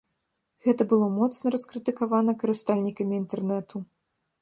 Гэта было моцна раскрытыкавана карыстальнікамі інтэрнэту.